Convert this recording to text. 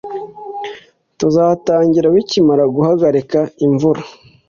tuzatangira bikimara guhagarika imvura